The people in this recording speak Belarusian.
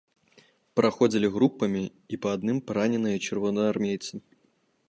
Праходзілі групамі і па адным параненыя чырвонаармейцы.